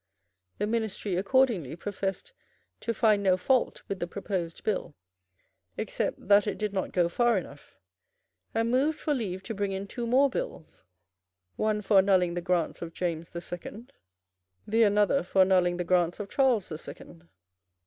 The ministry accordingly professed to find no fault with the proposed bill, except that it did not go far enough, and moved for leave to bring in two more bills, one for annulling the grants of James the Second, the other for annulling the grants of Charles the Second.